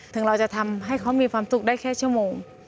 ถึงเราจะทำให้เขามีความสุขได้แค่ชั่วโมง